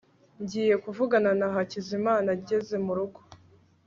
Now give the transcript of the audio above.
ngiye kuvugana na hakizimana ageze murugo